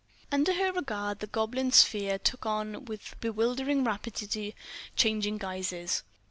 Under her regard the goblin sphere took on with bewildering rapidity changing guises.